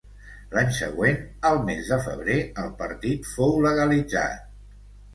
L'any següent, al mes de febrer, el partit fou legalitzat.